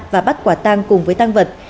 và bắt quả tăng cùng với tăng vật